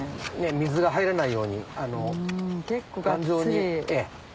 水が入らないように頑丈に。